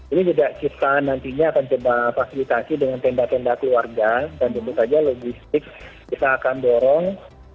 ini juga kita nantinya akan coba fasilitasi dengan tenda tenda keluarga dan tentu saja logistik kita akan dorong